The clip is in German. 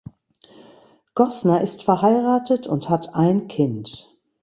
Goßner ist verheiratet und hat ein Kind.